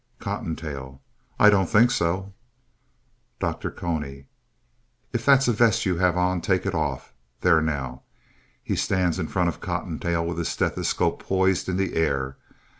COTTONTAIL I don't think so. DR. CONY If that's a vest you have on, take it off. There, now. (_He stands in front of Cottontail with his stethoscope poised in the air.